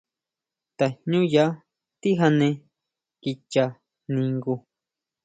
Tajñúya tijane kicha ningu.